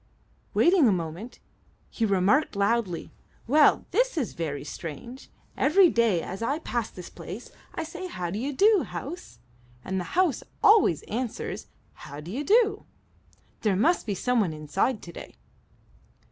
Waiting a moment, he remarked loudly: "Well, this is very strange! Every day, as I pass this place, I say, 'How d'ye do, house?' and the house always answers, 'How d'ye do?' There must be some one inside to day."